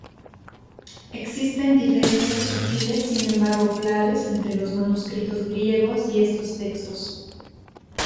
Existen diferencias sutiles sin embargo claves entre los manuscritos griegos y estos textos.